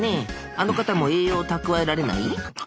あの方も栄養を蓄えられない？